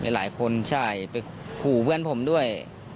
หลายคนใช่ไปขู่เพื่อนผมด้วย